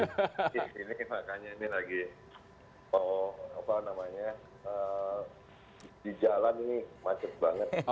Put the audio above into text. ini makanya ini lagi apa namanya di jalan ini macet banget